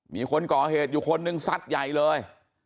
มีคนก่อเหตุอยู่คนนึงซัดใหญ่เลย